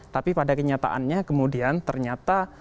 tapi pada kenyataannya kemudian ternyata raja salman melihat bahwa masa depan